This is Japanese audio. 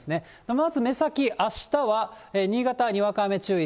まず目先、あしたは新潟、にわか雨注意。